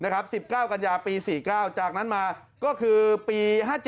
๑๙กันยาปี๔๙จากนั้นมาก็คือปี๕๗